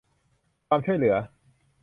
ความช่วยเหลือ